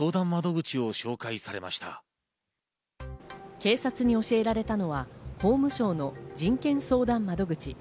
警察に教えられたのは法務省の人権相談窓口。